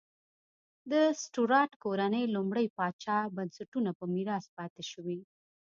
د سټورات کورنۍ لومړي پاچا بنسټونه په میراث پاتې شوې.